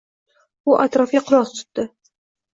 U atrofga quloq tutdi.